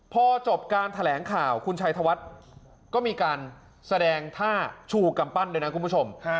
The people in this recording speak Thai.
พอจบการแถลงข่าวคุณชัยธวัฒน์ก็มีการแสดงท่าชูกำปั้นด้วยนะคุณผู้ชม